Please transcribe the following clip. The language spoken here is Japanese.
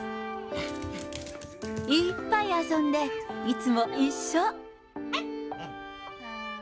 いっぱい遊んでいつも一緒。